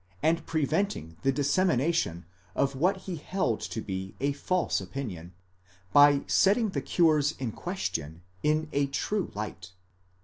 and preventing the dissemination of what he held to be a false opinion, by setting the cures in question in a true light.